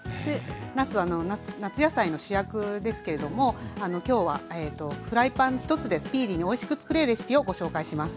なすは夏野菜の主役ですけれども今日はフライパン１つでスピーディーにおいしくつくれるレシピをご紹介します。